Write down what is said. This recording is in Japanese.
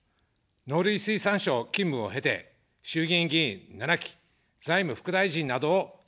農林水産省勤務を経て、衆議院議員７期、財務副大臣などを務めました。